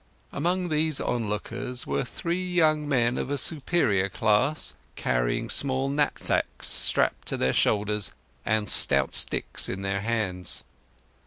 Among these on lookers were three young men of a superior class, carrying small knapsacks strapped to their shoulders, and stout sticks in their hands.